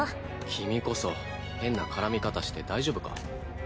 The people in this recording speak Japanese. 君こそ変な絡み方して大丈夫か？